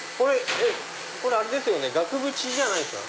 これ額縁じゃないですか？